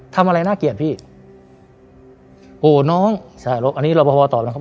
ทำอะไรน่าเกลียดพี่โหน้องใช่แล้วอันนี้รอพอพอตอบแล้วครับ